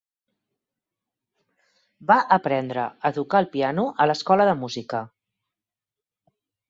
Va aprendre a tocar el piano a l'escola de música.